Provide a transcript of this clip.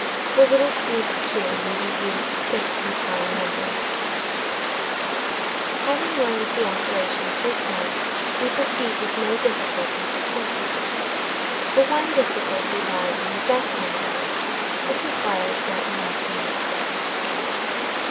The little cubes, too, may be used to fix these higher numbers Having learned the operations through ten, we proceed with no difficulty to twenty. The one difficulty lies in the decimal numbers which require certain lessons.